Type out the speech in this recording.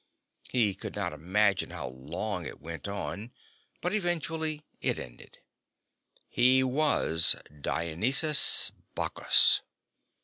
He could not imagine how long it went on but, eventually, it ended. He was Dionysus/Bacchus.